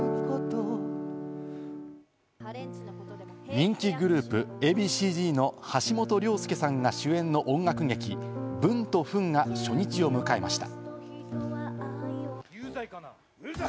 人気グループ・Ａ．Ｂ．Ｃ−Ｚの橋本良亮さんが主演の音楽劇『ブンとフン』が初日を迎えました。